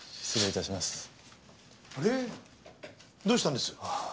どうしたんです？